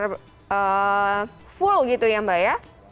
benar full gitu ya mbak ya